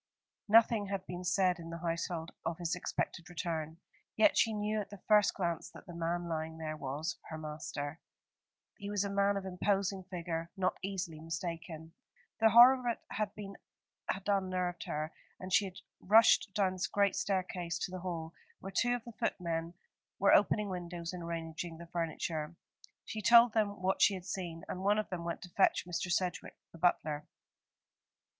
Nothing had been said in the household of his expected return: yet she knew at the first glance that the man lying there was her master. He was a man of imposing figure, not easily mistaken. The horror of it had unnerved her, and she had rushed down the great staircase to the hall, where two of the footmen were opening windows and arranging the furniture. She told them what she had seen, and one of them went to fetch Mr. Sedgewick, the butler.